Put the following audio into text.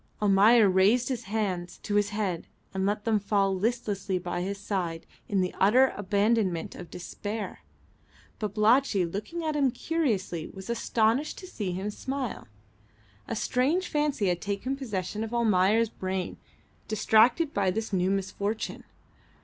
Almayer raised his hands to his head and let them fall listlessly by his side in the utter abandonment of despair. Babalatchi, looking at him curiously, was astonished to see him smile. A strange fancy had taken possession of Almayer's brain, distracted by this new misfortune.